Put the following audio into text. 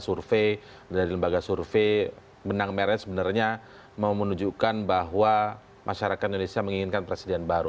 saya ingin menanyakan bagaimana cara indonesia menginginkan presiden baru